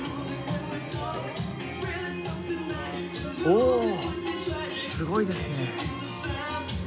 おおすごいですね。